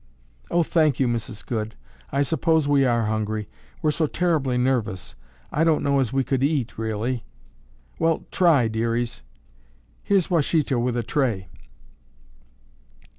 "Oh, thank you, Mrs. Goode, I suppose we are hungry. We're so terribly nervous, I don't know as we could eat, really." "Well, try, dearies. Here's Washita with a tray."